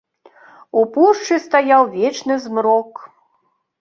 У пушчы стаяў вечны змрок.